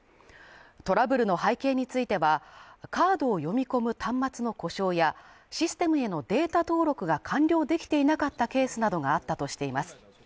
トラブルの背景についてはカードを読み込む端末の故障やシステムへのデータ登録が完了できていなかったケースなどがあったとしています。